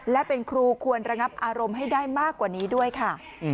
และเป็นครูควรระงับอารมณ์ให้ได้มากกว่านี้ด้วยค่ะ